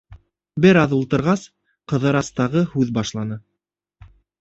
Бер аҙ ултырғас, Ҡыҙырас тағы һүҙ башланы: